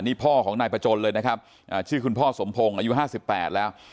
นี่พ่อของนายประจนเลยนะครับชื่อคุณพ่อสมพงศ์อายุ๕๘แล้ว